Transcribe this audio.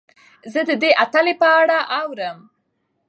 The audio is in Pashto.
زه د دې اتلې په اړه اورم.